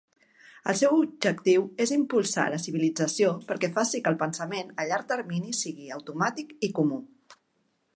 El seu objectiu és "impulsar la civilització perquè faci que el pensament a llarg termini sigui automàtic i comú".